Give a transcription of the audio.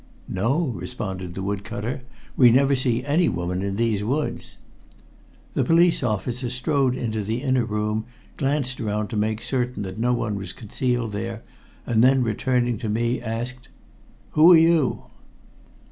"No," responded the wood cutter. "We never see any woman out in these woods." The police officer strode into the inner room, glanced around to make certain that no one was concealed there, and then returning to me asked, "Who are you?"